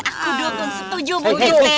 aku dukung setuju bu titius